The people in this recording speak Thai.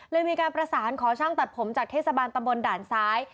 เลยมีการประสานขอช่างตัดผมจากเทศบาลตำบลด่านซ้าย